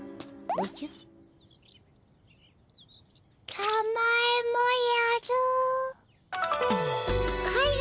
たまえもやる。